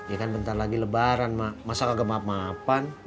ya kan bentar lagi lebaran masa gak maaf maafan